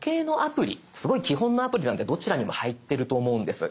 すごい基本のアプリなんでどちらにも入ってると思うんです。